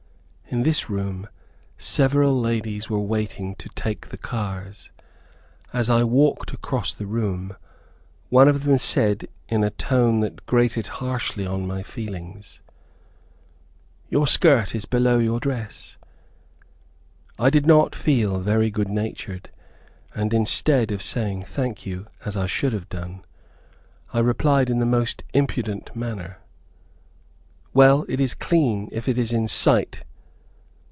In this room, several ladies were waiting to take the cars. As I walked across the room, one of them said, in a tone that grated harshly on my feelings, "Your skirt is below your dress." I did not feel very good natured, and instead of saying "thank you," as I should have done, I replied in the most impudent manner, "Well, it is clean, if it is in sight."